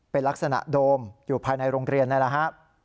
เป็นลักษณะโดมอยู่ภายในโรงเรียนนี่แหละฮะ